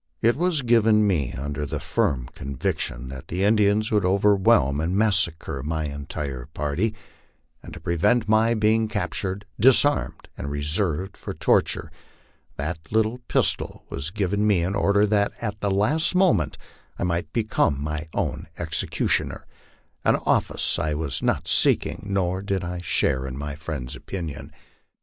It was given me under the firm conviction that the Indians would overwhelm and massacre my entire party; and to prevent my being captured, disarmed, and reserved for torture, that little pistol was given me in order that at the last moment I might become my own execution er an office I was not seeking, nor did I share in my friend's opinion.